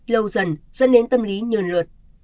lâu dần dẫn đến tâm lý nhờn luật